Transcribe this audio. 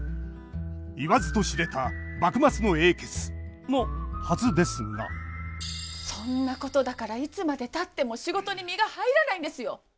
言わずと知れた幕末の英傑！のはずですがそんなことだからいつまでたっても仕事に身が入らないんですよ。